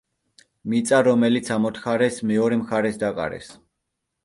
მიწა, რომელიც ამოთხარეს, მეორე მხარეს დაყარეს.